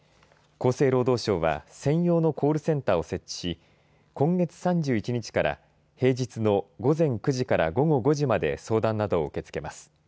厚生労働省は専用のコールセンターを設置し今月３１日から平日の午前９時から午後５時まで相談などを受け付けます。